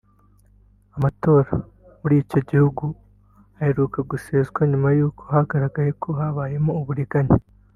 Amatora muri icyo gihugu aheruka guseswa nyuma yo kugaragaza ko habayemo uburiganya